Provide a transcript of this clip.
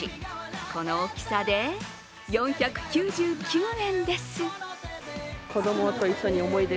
この大きさで４９９円です。